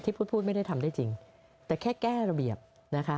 พูดพูดไม่ได้ทำได้จริงแต่แค่แก้ระเบียบนะคะ